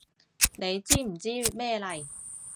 你知唔知咩嚟？